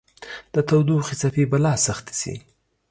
د تودوخې څپې به لا سختې شي